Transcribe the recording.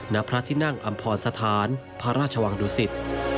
ณพระที่นั่งอำพรสถานพระราชวังดุสิต